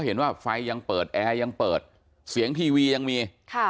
เห็นว่าไฟยังเปิดแอร์ยังเปิดเสียงทีวียังมีค่ะ